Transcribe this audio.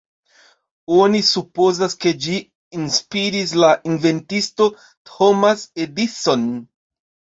Oni supozas ke ĝi inspiris la inventisto Thomas Edison.